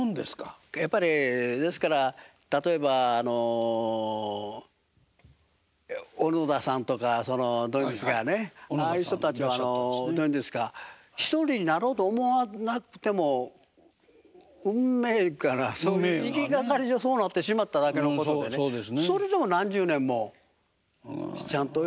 ですから例えば小野田さんとかそのどう言うんですかねああいう人たちはどう言うんですか一人になろうと思わなくても運命から行きがかり上そうなってしまっただけのことでねそれでも何十年もちゃんとやっておられますからね。